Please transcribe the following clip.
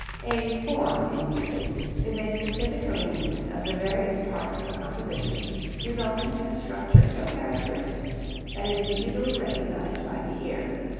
A form in music is a specific arrangement of the various parts of a composition resulting in a structure so characteristic that it is easily recognized by the ear.